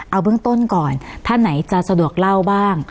เอาเบื้องต้นก่อนท่านไหนจะสะดวกเล่าบ้าง